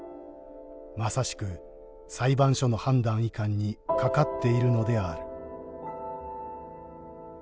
まさしく裁判所の判断いかんにかかっているのである」。